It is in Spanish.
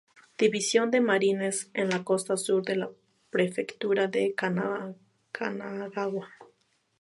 División de Marines en la costa sur de la Prefectura de Kanagawa.